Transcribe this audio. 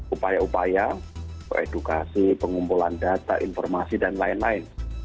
upaya upaya edukasi pengumpulan data informasi dan lain lain